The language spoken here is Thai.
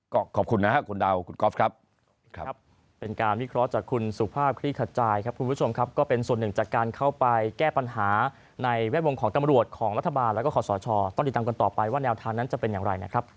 ก็ขอบคุณนะครับคุณดาวคุณกอล์ฟครับ